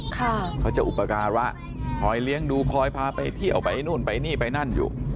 เขาจะอุปการะคอยเลี้ยงดูคอยพาไปเที่ยวไปนู่นไปนี่ไปนั่นอยู่